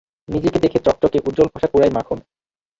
নিজেকে দেখ চকচকে উজ্জল পোষাক পুরাই মাখন!